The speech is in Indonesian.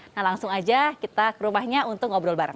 nah langsung aja kita ke rumahnya untuk ngobrol bareng